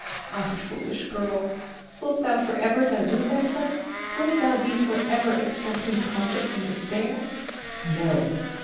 Ah foolish girl, wilt thou for ever delude thyself, wilt thou be for ever extracting comfort from despair? No!